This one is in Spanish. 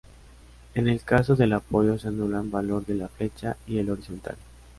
En el caso del apoyo se anulan valor de la flecha y el horizontal.